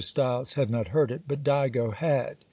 Stiles had not heard it, but Digo had.